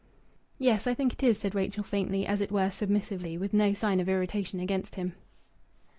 "Yes, I think it is," said Rachel faintly, as it were submissively, with no sign of irritation against him.